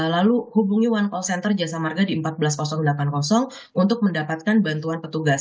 lalu hubungi one call center jasa marga di empat belas delapan puluh untuk mendapatkan bantuan petugas